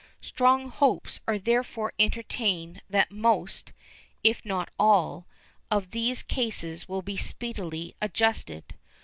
Strong hopes are therefore entertained that most, if not all, of these cases will be speedily adjusted.